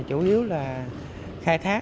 chủ yếu là khai thác